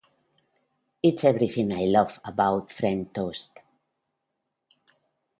It's everything I love abou French toast.